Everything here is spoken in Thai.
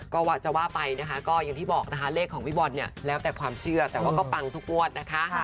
ก็จะว่าไปนะคะก็อย่างที่บอกนะคะเลขของพี่บอลเนี่ยแล้วแต่ความเชื่อแต่ว่าก็ปังทุกงวดนะคะ